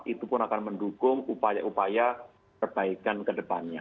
itu pun akan mendukung upaya upaya perbaikan kedepannya